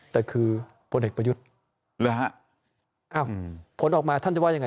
แต่คือพลเอกประยุทธ์ผลออกมาท่านจะว่ายังไง